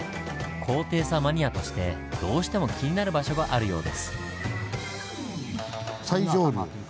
高低差マニアとしてどうしても気になる場所があるようです。